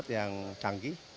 kita bustikan di sekitar kapal